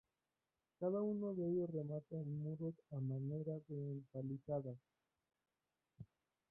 Cada uno de ellos remata en muros a manera de empalizadas.